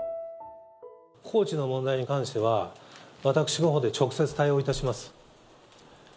高知の問題に関しては、私のほうで直接対応いたします。